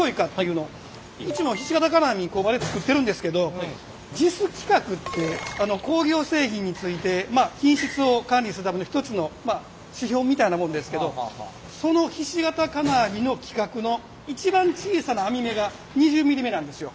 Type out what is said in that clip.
うちもひし形金網工場で作ってるんですけどＪＩＳ規格って工業製品についてまあ品質を管理するための一つの指標みたいなもんですけどそのひし形金網の規格の一番小さな網目が２０ｍｍ目なんですよ。